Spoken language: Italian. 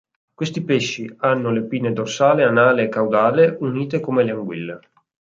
Questi pesci hanno le pinne dorsale, anale e caudale unite come le anguille.